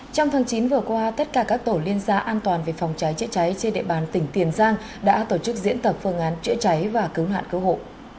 trong tháng chín vừa qua tất cả các tổ liên gia an toàn về phòng cháy chữa cháy trên địa bàn tỉnh tiền giang đã tổ chức diễn tập phương án chữa cháy và cứu nạn cứu hộ